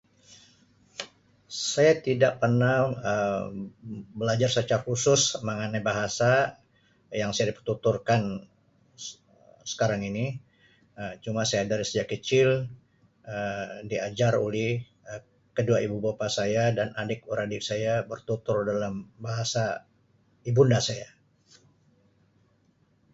Saya tidak pernah Um belajar secara khusus bahasa yang saya tuturkan Um sekarang ini Um cuma saya ada rahsia kecil Um diajar oleh Um kedua ibu bapa saya dan adik beradik saya bertutur dalam bahasa ibunda saya.